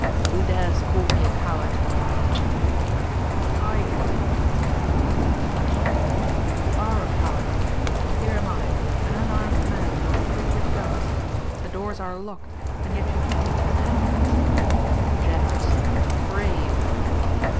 "Who dares call me a coward?" he cried. "I do," Trent returned promptly. "You are a coward. Here am I, an unarmed man among three with guns. The doors are locked and yet you keep me here handcuffed. Generous! Brave!"